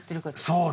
そう。